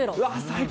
最高。